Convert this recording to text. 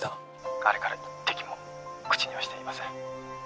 ☎あれから一滴も口にはしていません